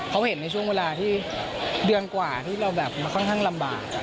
เขาเห็นในช่วงเวลาที่เดือนกว่าที่เราแบบมาค่อนข้างลำบาก